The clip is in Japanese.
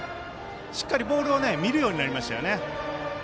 しっかりボールを見るようになりましたよね。